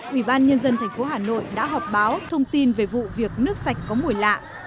ủy ban nhân dân thành phố hà nội đã họp báo thông tin về vụ việc nước sạch có mùi lạ